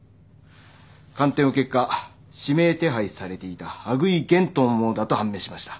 鑑定の結果指名手配されていた羽喰玄斗のものだと判明しました。